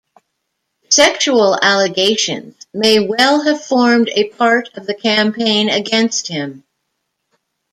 Sexual allegations may well have formed a part of the campaign against him.